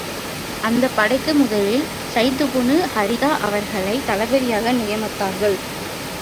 அந்தப் படைக்கு முதலில் ஸைதுப்னு ஹாரிதா அவர்களைத் தளபதியாக நியமித்தார்கள்.